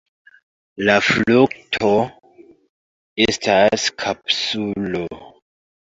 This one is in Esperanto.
La frukto estas kapsulo.